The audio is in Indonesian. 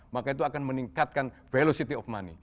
maka itu akan meningkatkan velocity of money